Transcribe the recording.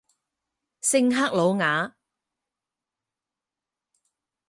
圣克鲁瓦。